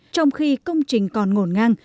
trong khi công trình còn ngổn ngang